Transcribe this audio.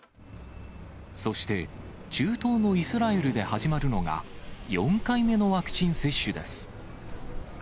そして、中東のイスラエルで始まるのが、４回目のワクチン接種です。